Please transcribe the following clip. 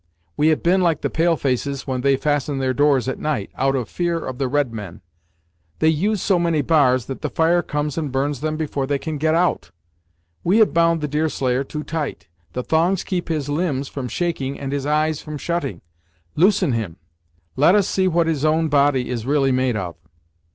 "We have been like the pale faces when they fasten their doors at night, out of fear of the red men. They use so many bars that the fire comes and burns them before they can get out. We have bound the Deerslayer too tight: the thongs keep his limbs from shaking and his eyes from shutting. Loosen him; let us see what his own body is really made of."